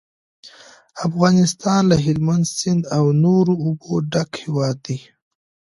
افغانستان له هلمند سیند او نورو اوبو ډک هیواد دی.